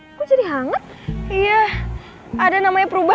rasan tadi ularnya dingin deh